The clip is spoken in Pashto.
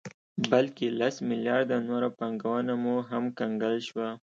بلکې لس مليارده نوره پانګه مو هم کنګل شوه